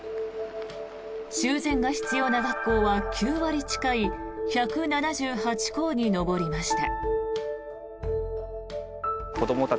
修繕が必要な学校は９割近い１７８校に上りました。